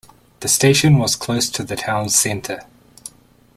The station was close to the town centre.